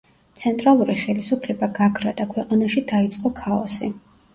ცენტრალური ხელისუფლება გაქრა და ქვეყანაში დაიწყო ქაოსი.